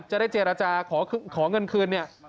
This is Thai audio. จะได้เจรจาขอเงินคืน